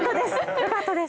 よかったです。